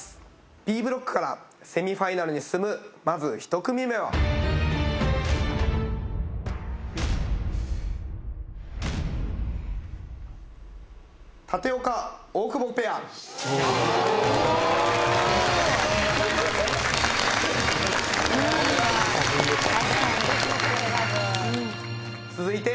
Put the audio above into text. Ｂブロックからセミファイナルに進むまず１組目は舘岡・大久保ペアおめでとうございます続いて